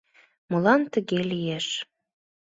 Молан тыге лиеш?